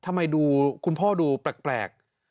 ทำไมดูคุณพ่อดูแปลก